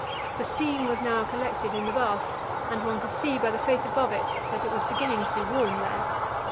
The steam was now collected in the bath, and one could see by the face above that it was beginning to be warm there.